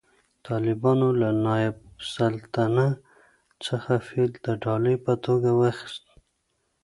طالبانو له نایب السلطنه څخه فیل د ډالۍ په توګه واخیست